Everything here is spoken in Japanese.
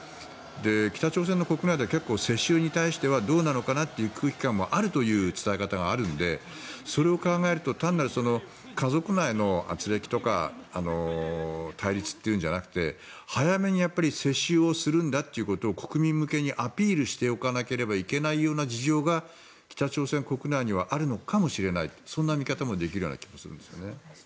北朝鮮の国内では結構世襲に対してはどうなのかなっていう空気感もあるという伝え方があるのでそれを考えると家族内のあつれきとか対立というんじゃなくて早めに世襲をするんだということを国民向けにアピールしておかなければいけないような事情が北朝鮮国内にはあるのかもしれないそんな見方もできるような気もするんですね。